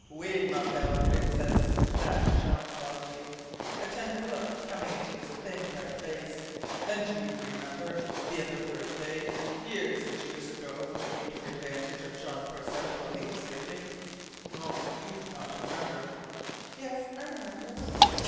"Oui, ma belle princesse," laughed Jean softly, a tender look coming into his thin, dark face. "And do you remember that other birthday, years and years ago, when you took advantage of Jean Croisset while he was sleeping? Non, you do not remember?" "Yes, I remember."